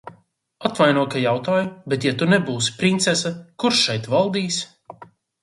Atvaino, ka jautāju, bet, ja tu nebūsi princese, kurš šeit valdīs?